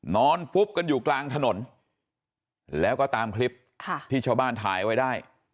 ฟุบกันอยู่กลางถนนแล้วก็ตามคลิปที่ชาวบ้านถ่ายไว้ได้